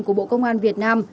của bộ công an việt nam